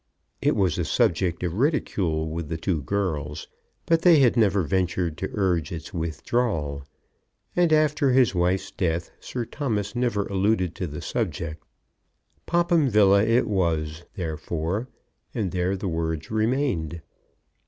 It was a subject of ridicule with the two girls; but they had never ventured to urge its withdrawal, and after his wife's death Sir Thomas never alluded to the subject. Popham Villa it was, therefore, and there the words remained.